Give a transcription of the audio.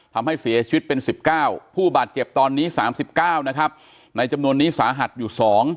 ทำให้เสียชีวิตเป็น๑๙ผู้บาดเจ็บตอนนี้๓๙นะครับในจำนวนนี้สาหัสอยู่๒